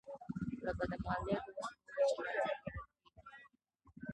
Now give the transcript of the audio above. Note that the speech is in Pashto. لکه د مالیاتو ورکول چې لازم ګڼل کیږي.